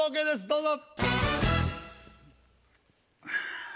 どうぞ。